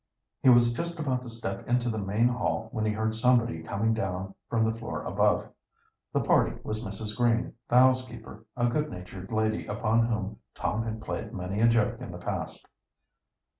He was just about to step into the main hall when he heard somebody coming down from the floor above. The party was Mrs. Green, the housekeeper, a good natured lady upon whom Tom had played many a joke in the past.